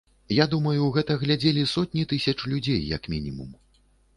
Я думаю, гэта глядзелі сотні тысяч людзей як мінімум.